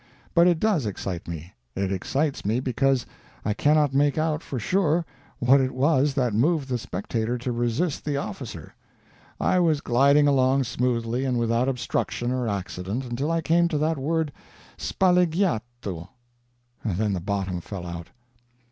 But it does excite me. It excites me because I cannot make out, for sure, what it was that moved the spectator to resist the officer. I was gliding along smoothly and without obstruction or accident, until I came to that word "spalleggiato," then the bottom fell out.